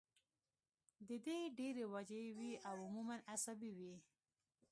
د دې ډېرې وجې وي او عموماً اعصابي وي